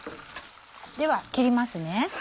では切りますね。